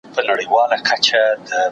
د پوهي په لاره کي ستړیا مانا نه لري.